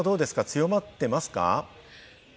強まってますか？